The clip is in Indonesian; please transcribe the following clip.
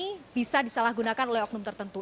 ini bisa disalahgunakan oleh oknum tertentu